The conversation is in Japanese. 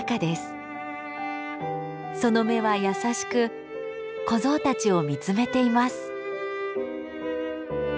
その目は優しく子ゾウたちを見つめています。